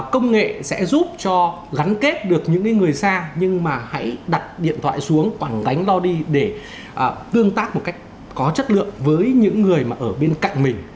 công nghệ sẽ giúp cho gắn kết được những người xa nhưng mà hãy đặt điện thoại xuống còn đánh lo đi để tương tác một cách có chất lượng với những người mà ở bên cạnh mình